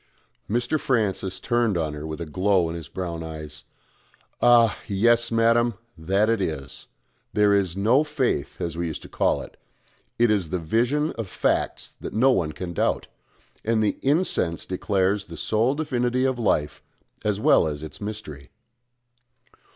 Mr. Francis turned on her with a glow in his brown eyes. "Ah! yes, madam. That is it. There is no Faith, as we used to call it: it is the vision of Facts that no one can doubt; and the incense declares the sole divinity of Life as well as its mystery."